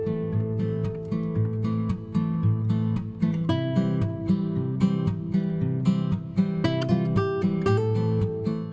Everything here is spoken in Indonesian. sebenarnya ini adalah karyawannya